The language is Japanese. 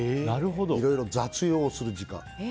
いろいろ雑用をする時間。